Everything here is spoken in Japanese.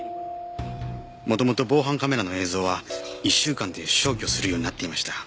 元々防犯カメラの映像は１週間で消去するようになっていました。